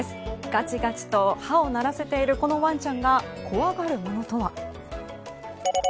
がちがちと歯を鳴らしているこのワンちゃんが怖がるものとは。